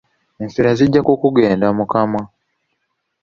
Enswera zijja kukugenda mu kamwa